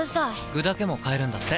具だけも買えるんだって。